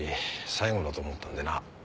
最後だと思ったんでな。